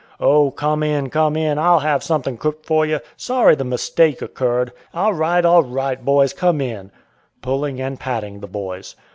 "Oh, come in, come in! I'll have something cooked for you. Sorry the mistake occurred. All right, all right, boys; come in," pulling and patting the "boys."